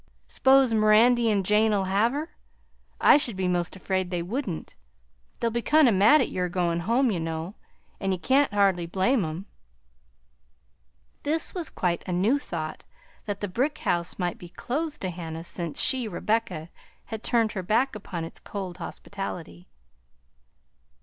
"S'pose Mirandy 'n' Jane'll have her? I should be 'most afraid they wouldn't. They'll be kind o' mad at your goin' home, you know, and you can't hardly blame 'em." This was quite a new thought, that the brick house might be closed to Hannah, since she, Rebecca, had turned her back upon its cold hospitality.